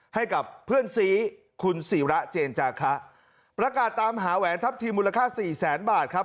ให้กับเพื่อนซีคุณศิระเจนจาคะประกาศตามหาแหวนทัพทีมมูลค่าสี่แสนบาทครับ